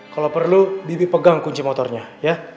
kalau perlu bibi pegang kunci motornya ya